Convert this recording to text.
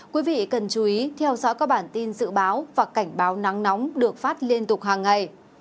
quý vị cần chú ý theo dõi các bản tin dự báo và cảnh báo nắng nóng được phát liên tục hàng ngày